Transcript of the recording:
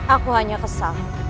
aku hanya kesal